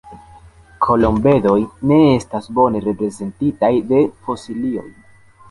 Kolombedoj ne estas bone reprezentitaj de fosilioj.